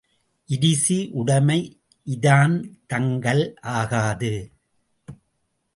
இருசி உடைமை இராந் தங்கல் ஆகாது.